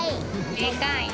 でかいね。